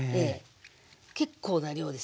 結構な量ですよね。